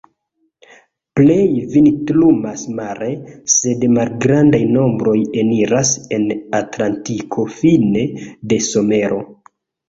Plej vintrumas mare, sed malgrandaj nombroj eniras en Atlantiko fine de somero.